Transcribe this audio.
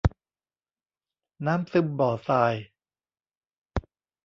น้ำซึมบ่อทราย